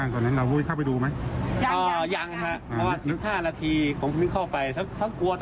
ก็พูดอย่างนี้แหละค่ะ